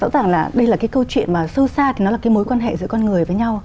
rõ ràng là đây là cái câu chuyện mà sâu xa thì nó là cái mối quan hệ giữa con người với nhau